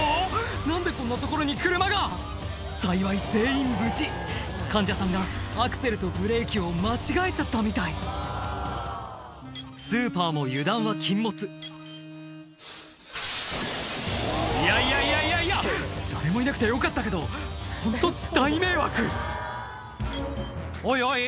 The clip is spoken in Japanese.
何でこんなところに車が幸い全員無事患者さんがアクセルとブレーキを間違えちゃったみたいスーパーも油断は禁物いやいやいやいやいや誰もいなくてよかったけどホント大迷惑おいおい？